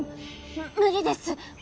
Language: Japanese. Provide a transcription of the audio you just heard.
む無理です。